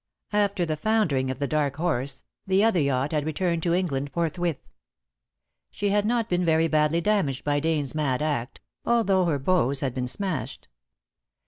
After the foundering of The Dark Horse, the other yacht had returned to England forthwith. She had not been very badly damaged by Dane's mad act, although her bows had been smashed.